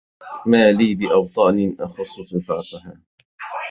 ما لي بأوطان أخص صفاتها